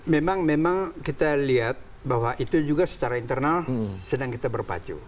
memang memang kita lihat bahwa itu juga secara internal sedang kita berpacu